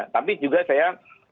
tapi juga saya